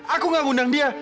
aku gak ngundang dia